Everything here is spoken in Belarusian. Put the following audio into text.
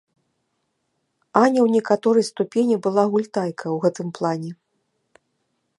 Аня ў некаторай ступені была гультайка ў гэтым плане.